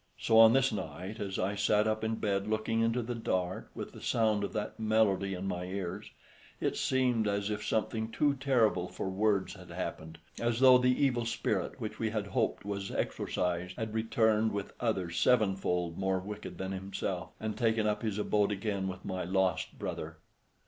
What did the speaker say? So on this night, as I sat up in bed looking into the dark, with the sound of that melody in my ears, it seemed as if something too terrible for words had happened; as though the evil spirit, which we had hoped was exorcised, had returned with others sevenfold more wicked than himself, and taken up his abode again with my lost brother.